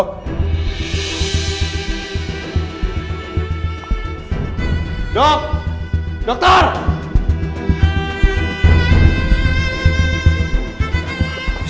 tapi bapak dan anak bapak tuh di luar dunia